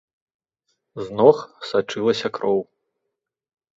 З ног сачылася кроў.